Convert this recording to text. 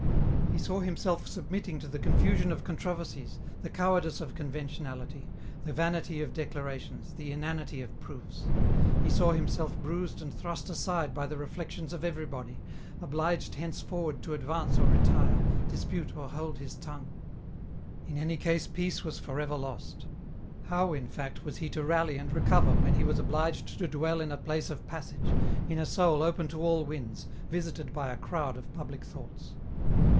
He saw himself submitting to the confusion of controver sies, the cowardice of conventionality, the vanity of declara tions, the inanity of proofs. He saw himself bruised and thrust aside by the reflections of everybody, obliged henceforward to advance or retire, dispute or hold his tongue ? In any case peace was for ever lost. How in fact was he to rally and recover when he was obliged to dwell in a place of passage, in a soul open to all winds, visited by a crowd of public thoughts